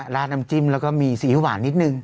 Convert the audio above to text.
ราดน้ำจิ้มแล้วก็มีสีหวานนิดนึง